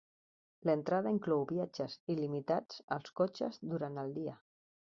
L'entrada inclou viatges il·limitats als cotxes durant el dia.